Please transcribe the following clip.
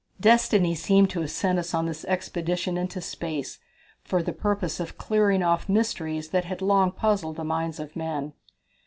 Destiny seemed to have sent us on this expedition into space for the purpose of clearing off mysteries that had long puzzled the minds of men.